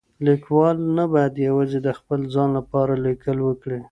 ليکوال نه بايد يوازي د خپل ځان لپاره ليکل وکړي.